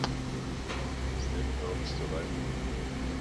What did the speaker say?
Is that job still open?